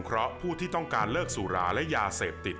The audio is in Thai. ก็รู้สึกว่ามันยาเสพติบ